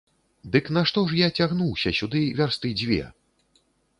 Дык нашто ж я цягнуўся сюды вярсты дзве?